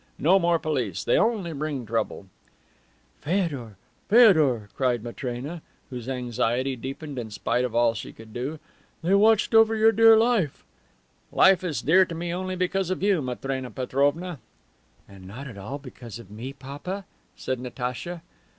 No more police. They only bring trouble." "Feodor! Feodor!" sighed Matrena, whose anxiety deepened in spite of all she could do, "they watched over your dear life." "Life is dear to me only because of you, Matrena Petrovna." "And not at all because of me, papa?" said Natacha.